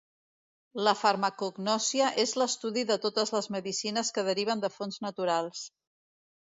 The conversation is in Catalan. La farmacognòsia és l'estudi de totes les medicines que deriven de fonts naturals.